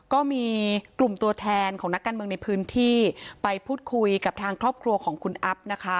ก็มีกลุ่มตัวแทนของนักการเมืองในพื้นที่ไปพูดคุยกับทางครอบครัวของคุณอัพนะคะ